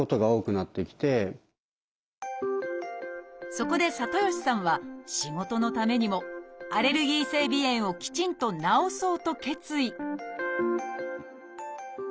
そこで里吉さんは仕事のためにもアレルギー性鼻炎をきちんと治そうと決意。